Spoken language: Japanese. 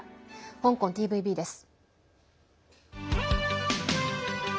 香港ＴＶＢです。